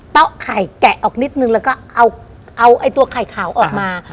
เตาะไข่แกะออกนิดนึงแล้วก็เอาเอาไอ้ตัวไข่ขาวออกมา